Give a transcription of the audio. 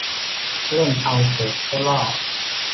เล่นเอาเถิดเจ้าล่อ